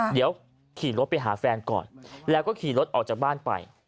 เดี๋ยวขี่รถไปหาแฟนก่อนแล้วก็ขี่รถออกจากบ้านไป